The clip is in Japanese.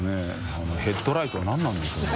あのヘッドライトは何なんでしょうね。